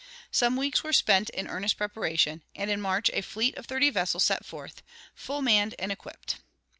Some weeks were spent in earnest preparation, and in March a fleet of thirty vessels set forth, full manned and equipped.